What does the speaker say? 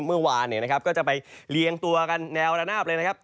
เมื่อวานก็จะไปเลี้ยงตัวกันแนวระนาบเลย